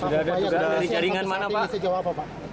sudah ada dari jaringan mana pak